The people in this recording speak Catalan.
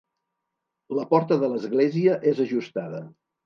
La porta de l'església és ajustada.